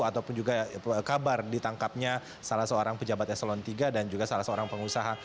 ataupun juga kabar ditangkapnya salah seorang pejabat eselon iii dan juga salah seorang pengusaha